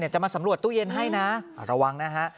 จะมาสำรวจตู้เย็นให้นะระวังนะฮะ